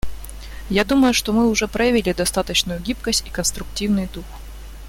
Я думаю, что мы уже проявили достаточную гибкость и конструктивный дух.